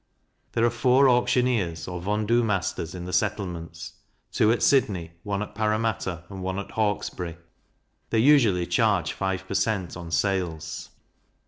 There are four auctioneers, or vendue masters, in the settlements; two at Sydney, one at Parramatta, and one at Hawkesbury: They usually charge five per cent. on sales.